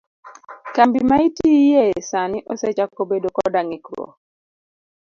Kambi ma itiye sani osechako bedo koda ng'ikruok?